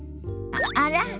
あら？